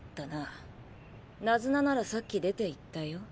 ナズナならさっき出ていったよ。